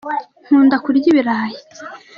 Nkunda kurya ibirayi.